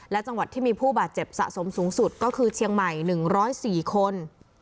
และจังหวัดที่มีผู้บาดเจ็บสะสมสูงสุดก็คือเชียงใหม่๑๐๔คน